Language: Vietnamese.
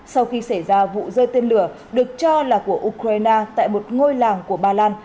sau khi xảy ra vụ rơi tên lửa được cho là của ukraine tại một ngôi làng của ba lan